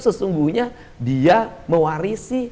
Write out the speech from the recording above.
sesungguhnya dia mewarisi